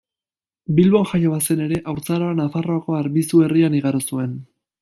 Bilbon jaio bazen ere, haurtzaroa Nafarroako Arbizu herrian igaro zuen.